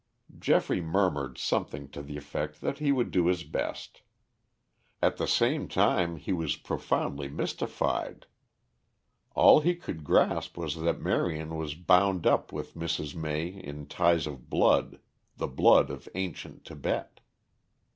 Geoffrey murmured something to the effect that he would do his best. At the same time, he was profoundly mystified. All he could grasp was that Marion was bound up with Mrs. May in ties of blood, the blood of ancient Tibet.